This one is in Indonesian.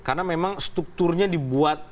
karena memang strukturnya dibuat